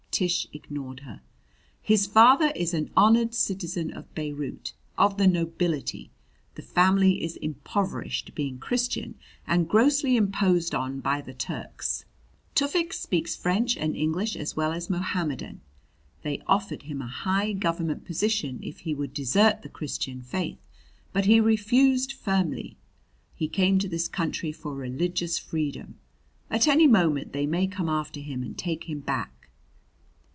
Tish ignored her. "His father is an honored citizen of Beirut, of the nobility. The family is impoverished, being Christian, and grossly imposed on by the Turks. Tufik speaks French and English as well as Mohammedan. They offered him a high government position if he would desert the Christian faith; but he refused firmly. He came to this country for religious freedom; at any moment they may come after him and take him back."